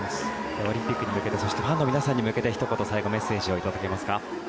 オリンピックに向けてファンの皆さんに向けて最後、メッセージを頂けますか？